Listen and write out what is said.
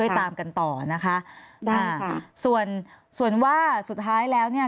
ตามกันต่อนะคะอ่าค่ะส่วนส่วนว่าสุดท้ายแล้วเนี่ย